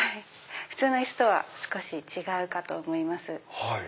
普通の椅子とは少し違うかと思います。